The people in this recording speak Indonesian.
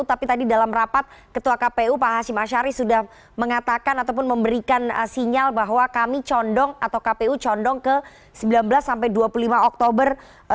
tapi tadi dalam rapat ketua kpu pak hashim ashari sudah mengatakan ataupun memberikan sinyal bahwa kami condong atau kpu condong ke sembilan belas sampai dua puluh lima oktober dua ribu dua puluh